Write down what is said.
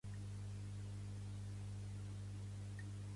És molt flegmàtic, i res no el neguiteja.